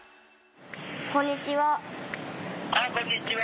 こんにちは。